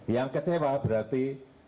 yang kecewa berarti